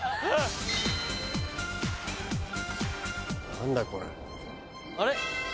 何だこれ。あれ？